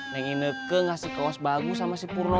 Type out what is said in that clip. nengi neke ngasih kaos bagus sama si purnomo